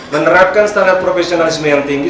menerapkan standar profesionalisme yang tinggi